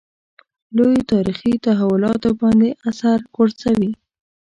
لویو تاریخي تحولاتو باندې اثر غورځوي.